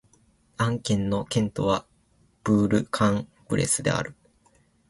アン県の県都はブール＝カン＝ブレスである